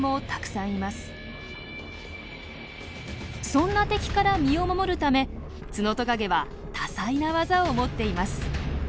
そんな敵から身を守るためツノトカゲは多彩な技を持っています。